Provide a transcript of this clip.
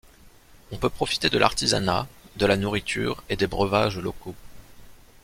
On peut profiter de l'artisanat, de la nourriture et des breuvages locaux.